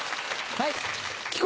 はい。